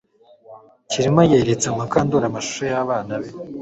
Kirima yeretse Mukandoli amashusho yabana be